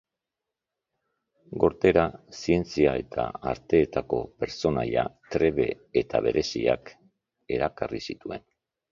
Gortera zientzia eta arteetako pertsonaia trebe eta bereziak erakarri zituen.